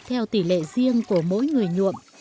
theo tỉ lệ riêng của mỗi người nhuộm